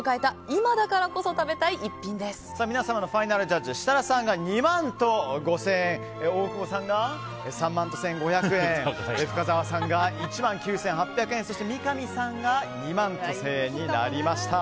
今だからこそ食べたい皆様のファイナルジャッジ設楽さんが２万５０００円大久保さんが３万１５００円深澤さんが１万９８００円そして三上さんが２万１０００円になりました。